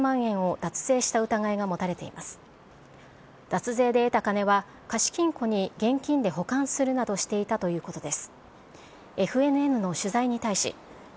脱税で得た金は、貸金庫に現金で保管するなどしていたということです。